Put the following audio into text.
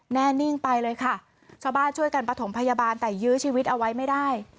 แน่นิ่งไปเลยค่ะชาวบ้านช่วยกันประถมพยาบาลแต่ยื้อชีวิตเอาไว้ไม่ได้